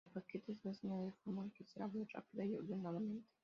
El paquete está diseñado de forma que se abra rápida y ordenadamente.